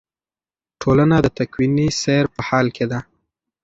ټولنه د تکویني سیر په حال کې ده.